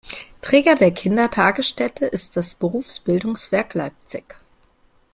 Träger der Kindertagesstätte ist das Berufsbildungswerk Leipzig.